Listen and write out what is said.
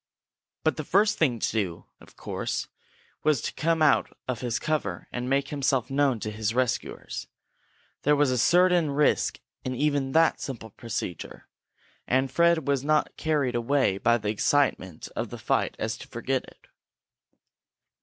But the first thing to do, of course, was to come out of his cover and make himself known to his rescuers. There was a certain risk in even that simple procedure, and Fred was not so carried away by the excitement of the fight as to forget it.